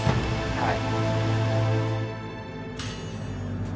はい。